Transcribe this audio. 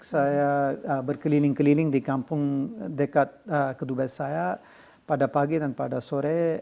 saya berkeliling keliling di kampung dekat kedubes saya pada pagi dan pada sore